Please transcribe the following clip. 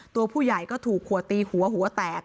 ตัวผู้ใหญ่ก็ถูกขวดตีหัวหัวแตก